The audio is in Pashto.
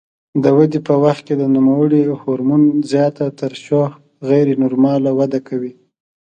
د ودې په وخت کې د نوموړي هورمون زیاته ترشح غیر نورماله وده کوي.